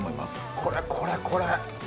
これこれこれ！